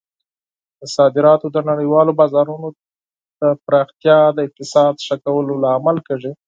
د صادراتو د نړیوالو بازارونو ته پراختیا د اقتصاد ښه کولو لامل کیږي.